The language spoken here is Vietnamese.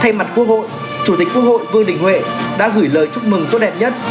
thay mặt quốc hội chủ tịch quốc hội vương đình huệ đã gửi lời chúc mừng tốt đẹp nhất